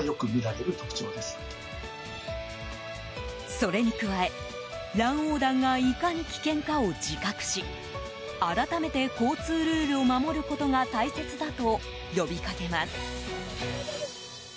それに加え、乱横断がいかに危険かを自覚し改めて交通ルールを守ることが大切だと呼びかけます。